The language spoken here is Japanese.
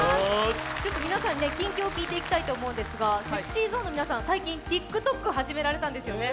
ちょっと皆さん、近況を聞いてみたいと思うんですがＳｅｘｙＺｏｎｅの皆さん、最近、ＴｉｋＴｏｋを始められたんですよね。